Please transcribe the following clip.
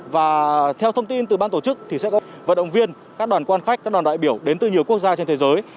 và theo thông tin từ ban tổ chức thì sẽ có vận động viên các đoàn quan khách các đoàn đại biểu đến từ nhiều quốc gia trên thế giới